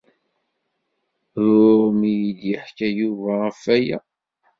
Ruɣ mi iyi-d-yeḥka Yuba ɣef waya.